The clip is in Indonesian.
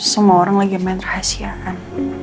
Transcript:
semua orang lagi main rahasia kan